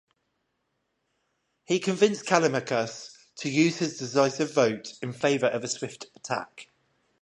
He convinced Callimachus to use his decisive vote in favor of a swift attack.